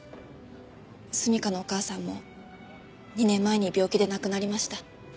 純夏のお母さんも２年前に病気で亡くなりました。